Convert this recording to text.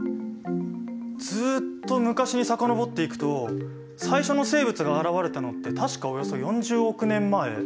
ずっと昔に遡っていくと最初の生物が現れたのって確かおよそ４０億年前。